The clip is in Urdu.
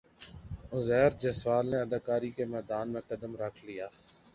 عزیر جسوال نے اداکاری کے میدان میں قدم رکھ لیا